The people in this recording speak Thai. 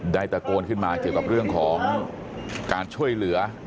ตะโกนขึ้นมาเกี่ยวกับเรื่องของการช่วยเหลือ